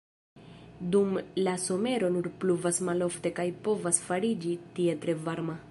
Dum la somero nur pluvas malofte kaj povas fariĝi tie tre varma.